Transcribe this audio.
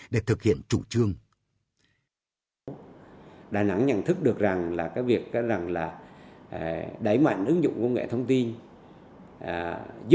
để thực hiện chủ trương